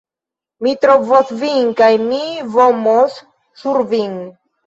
Mi trovos vin kaj mi vomos sur vin